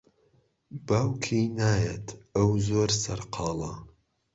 باوکی نایەت، ئەو زۆر سەرقاڵە.